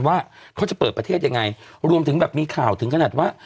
ว่าเขาจะเปิดประเทศยังไงรวมถึงแบบมีข่าวถึงขนาดว่า